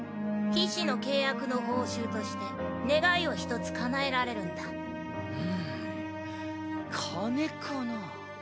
騎士の契約の報酬として願いを一つかなえられるんだうん金かなぁ？